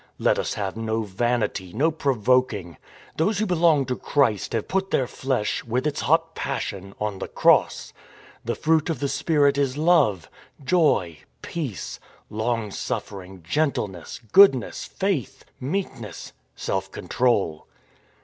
" Let us have no vanity, no provoking. " Those who belong to Christ have put their flesh — with its hot passion — on the Cross. " The fruit of the Spirit is love, joy, peace, long suffering, gentleness, goodness, faith, meekness, self control."